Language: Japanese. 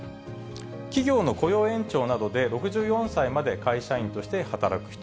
企業の雇用延長などで、６４歳まで会社員として働く人。